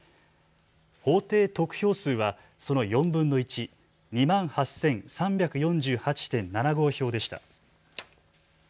法定得票数はその４分の１、２万８３４８．７５票でした。